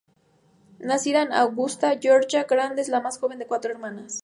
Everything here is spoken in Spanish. Nacida en Augusta, Georgia, Grant es la más joven de cuatro hermanas.